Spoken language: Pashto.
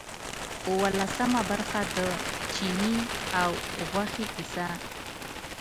اوولسمه برخه د چیني او غوښې کیسه.